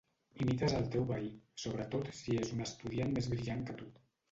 Imites el teu veí, sobretot si és un estudiant més brillant que tu.